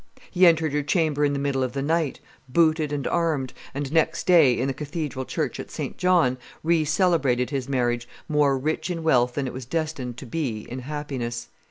He entered her chamber in the middle of the night, booted and armed, and next day, in the cathedral church of St. John, re celebrated his marriage, more rich in wealth than it was destined to be in happiness.